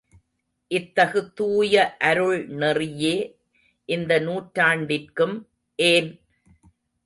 இத்தகு தூய அருள்நெறியே இந்த நூற்றாண்டிற்கும் ஏன்?